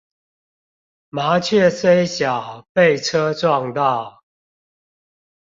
麻雀雖小，被車撞到